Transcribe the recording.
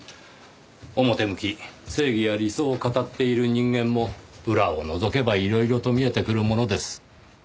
表向き正義や理想を語っている人間も裏をのぞけばいろいろと見えてくるものです。